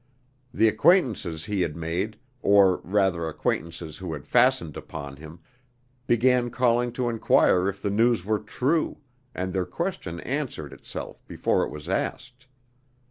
The acquaintances he had made or rather acquaintances who had fastened upon him began calling to enquire if the news were true, and their question answered itself before it was asked.